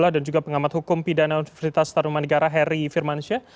dan juga pengamat hukum pidana universitas tanuman negara heri firmansyah